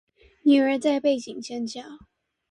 女兒在背景尖叫